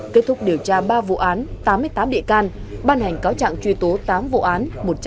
kết thúc điều tra ba vụ án tám mươi tám bị can ban hành cáo trạng truy tố tám vụ án